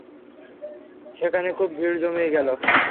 সেখানে খুব ভিড় জমিয়া গেল।